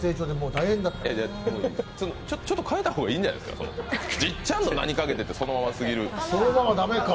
ちょっと変えた方がいいんじゃないですか、「じっちゃんの名にかけて」なんて。